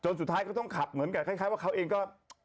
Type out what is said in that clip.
สุดท้ายก็ต้องขับเหมือนกับคล้ายว่าเขาเองก็